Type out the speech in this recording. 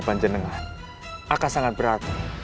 panjenengan akan sangat berarti